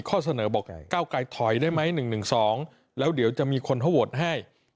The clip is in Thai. ก้าวไกลถอยได้ไหม๑๑๒แล้วเดี๋ยวจะมีคนเขาโหวตให้